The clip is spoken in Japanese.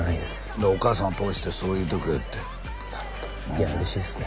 お母さんを通してそう言うてくれっていや嬉しいですね